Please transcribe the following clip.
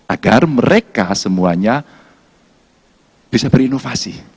agar mereka semuanya bisa berinovasi